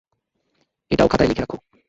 এটাও খাতায় লিখে রাখ।